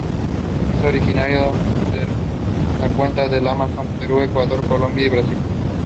They are politically split between the Japanese prefectures of Okinawa and Kagoshima.